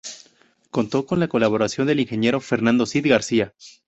Contó con la colaboración del ingeniero Fernando Cid García.